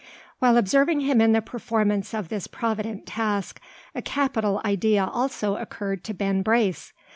While observing him in the performance of this provident task, a capital idea also occurred to Ben Brace.